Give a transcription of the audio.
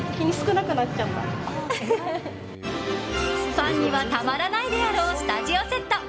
ファンにはたまらないであろうスタジオセット。